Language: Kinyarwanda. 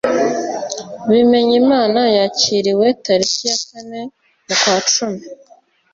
Bimenyimana yakiriwe tariki ya kane mukwacumi